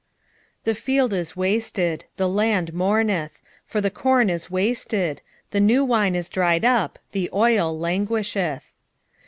1:10 The field is wasted, the land mourneth; for the corn is wasted: the new wine is dried up, the oil languisheth.